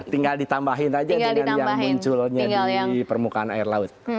tinggal ditambahin aja dengan yang munculnya di permukaan air laut